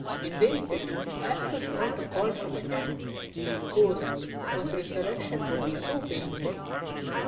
In very pity ask us not to call from the Dead, ghosts whose resurrection would be so painful!